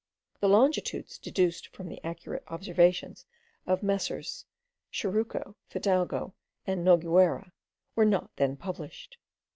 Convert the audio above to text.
The longitudes deduced from the accurate observations of Messrs. Churruca, Fidalgo, and Noguera, were not then published.